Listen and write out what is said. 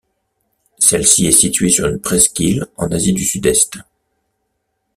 Celle-ci est située sur une presqu'île en Asie du Sud-Est.